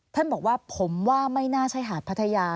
ท่านบอกว่าผมว่าไม่น่าใช่หาดพัทยา